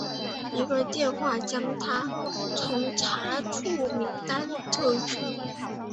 一个电话将他从查处名单上撤除。